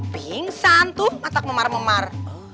pingsan tuh otak memar memar